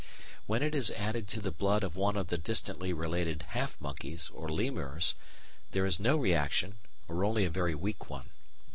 When it is added to the blood of one of the distantly related "half monkeys" or lemurs there is no reaction or only a very weak one.